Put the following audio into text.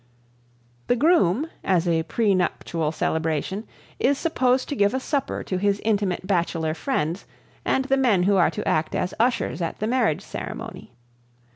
The groom, as a prenuptial celebration, is supposed to give a supper to his intimate bachelor friends and the men who are to act as ushers at the marriage ceremony.